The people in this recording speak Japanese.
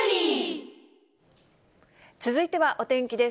続いてはお天気です。